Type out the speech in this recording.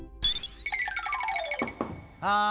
はい。